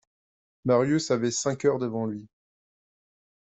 Marius avait cinq heures devant lui.